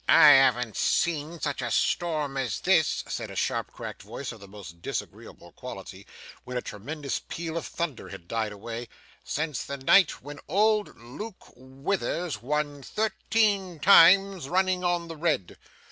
'I haven't seen such a storm as this,' said a sharp cracked voice of most disagreeable quality, when a tremendous peal of thunder had died away, 'since the night when old Luke Withers won thirteen times running on the red.